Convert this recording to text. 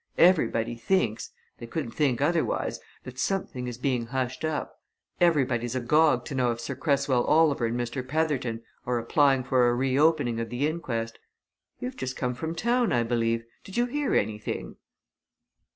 Everybody thinks they couldn't think otherwise that something is being hushed up. Everybody's agog to know if Sir Cresswell Oliver and Mr. Petherton are applying for a re opening of the inquest. You've just come from town, I believe! Did you hear anything?"